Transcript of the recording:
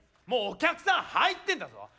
もうお客さん入ってんだぞ？